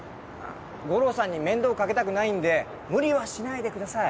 五郎さんに面倒かけたくないんで無理はしないでください。